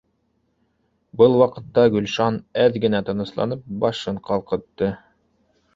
Был ваҡытта Гөлшан, әҙ генә тынысланып, башын ҡалҡытты